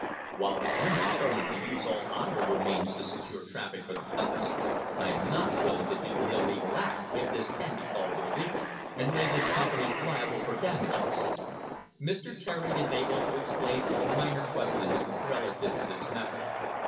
While I am determined THE HISTORY OF THE STANDARD OIL COMPANY to use all honourable means to secure traffic for the company, I am not willing to do an illegal act (if this can be called illegal), and lay this company liable for damages. Mr. Terry is able to explain all minor questions relative to this matter."